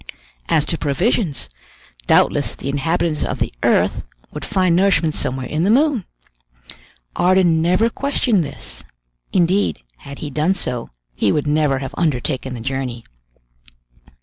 As to provisions, doubtless the inhabitants of the earth would find nourishment somewhere in the moon. Ardan never questioned this; indeed, had he done so, he would never have undertaken the journey.